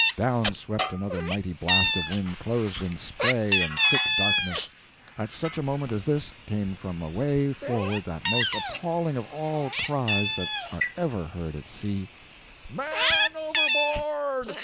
Down swept another mighty blast of wind, clothed in spray and thick darkness. At such a moment as this, came from away forward that most appalling of all cries that are ever heard at sea: "MAN OVERBOARD!"